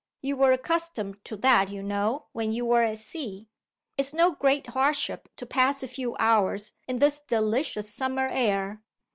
You were accustomed to that, you know, when you were at sea. It's no great hardship to pass a few hours in this delicious summer air.